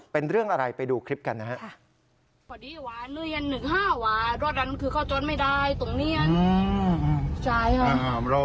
เป็นเรื่องอะไรไปดูคลิปกันนะครับ